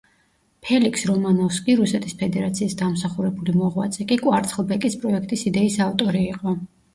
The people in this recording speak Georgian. ფელიქს რომანოვსკი, რუსეთის ფედერაციის დამსახურებული მოღვაწე კი კვარცხლბეკის პროექტის იდეის ავტორი იყო.